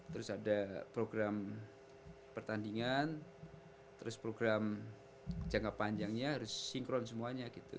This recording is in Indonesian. terus ada program pertandingan terus program jangka panjangnya harus sinkron semuanya gitu